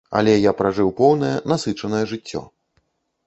Але я пражыў поўнае, насычанае жыццё.